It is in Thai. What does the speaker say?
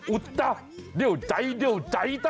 อุ๊ดตะเดี๋ยวใจตะ